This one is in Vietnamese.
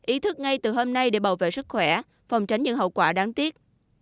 ý thức ngay từ hôm nay để bảo vệ sức khỏe phòng tránh những hậu quả đáng tiếc